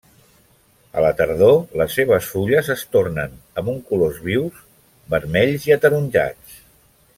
A la tardor les seves fulles es tornen amb uns colors vius vermells i ataronjats.